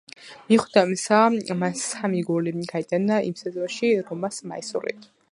მიუხედავად ამისა, მან სამი გოლი გაიტანა იმ სეზონში „რომას“ მაისურით.